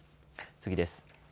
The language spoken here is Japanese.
次です。